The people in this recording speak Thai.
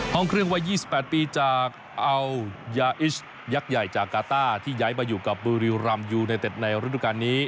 ห้องเครื่องวัย๒๘ปีจากอัลยาอิชยักษ์ใหญ่จากกาต้าที่ย้ายมาอยู่กับบุรีรำยูไนเต็ดในฤดูการนี้